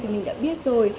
mình đã biết rồi